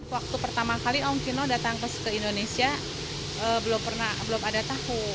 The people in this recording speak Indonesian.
waktu pertama kali om kino datang ke indonesia belum ada tahu